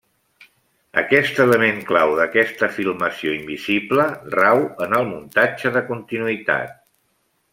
Aquest element clau d'aquesta filmació invisible rau en el muntatge de continuïtat.